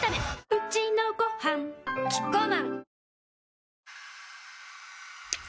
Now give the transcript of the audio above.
うちのごはんキッコーマン